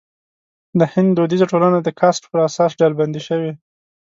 د هند دودیزه ټولنه د کاسټ پر اساس ډلبندي شوې.